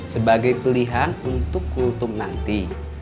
sebagai pilihan untuk kultum nanti